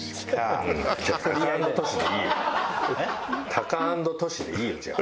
タカアンドトシでいいよじゃあ。